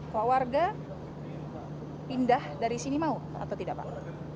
pak warga pindah dari sini mau atau tidak pak